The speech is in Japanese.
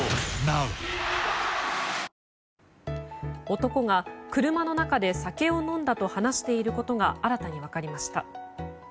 男が車の中で酒を飲んだと話していることが新たに分かりました。